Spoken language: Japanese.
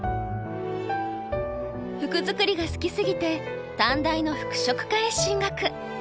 服作りが好きすぎて短大の服飾科へ進学。